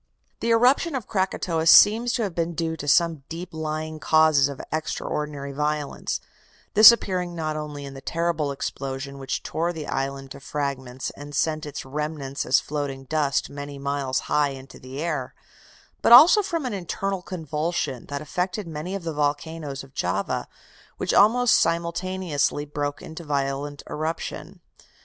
The eruption of Krakatoa seems to have been due to some deep lying causes of extraordinary violence, this appearing not only in the terrible explosion which tore the island to fragments and sent its remnants as floating dust many miles high into the air, but also from an internal convulsion that affected many of the volcanoes of Java, which almost simultaneously broke into violent eruption.